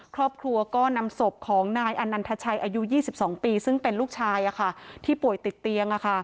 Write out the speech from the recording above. ครอบครัวก็นำศพของนายอนันทชัยอายุ๒๒ปีซึ่งเป็นลูกชายที่ป่วยติดเตียง